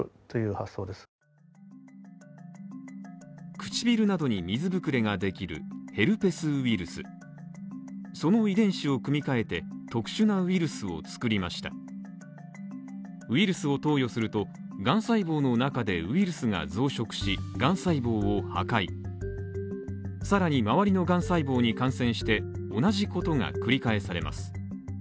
唇などに水ぶくれができるヘルペスウイルス、その遺伝子を組み換えて特殊なウイルスを作りましたウイルスを投与すると、がん細胞の中でウイルスが増殖し、がん細胞を破壊さらに周りのがん細胞に感染して同じことが繰り返されます。